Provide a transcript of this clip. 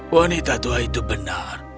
wanita tua itu benar